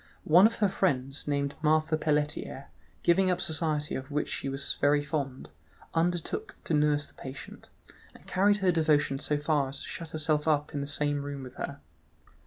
One of her friends, named Marthe Pelletier, giving up society, of which she was very fond, undertook to nurse the patient, and carried her devotion so far as to shut herself up in the same room with her.